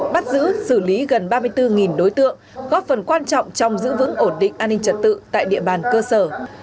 bắt giữ xử lý gần ba mươi bốn đối tượng góp phần quan trọng trong giữ vững ổn định an ninh trật tự tại địa bàn cơ sở